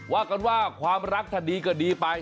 ว่ากันว่าความรักถ้าดีก็ดีไป